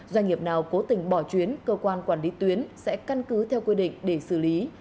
doanh nghiệp nào cố tình bỏ chuyến cơ quan quản lý tuyến sẽ căn cứ theo quy định để xử lý